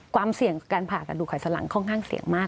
ความเสี่ยงการผ่ากระดูกไขสลังค่อนข้างเสี่ยงมาก